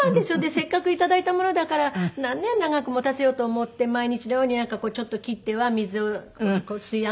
せっかくいただいたものだから長く持たせようと思って毎日のようにちょっと切っては水を吸い上げるようにしたりとか。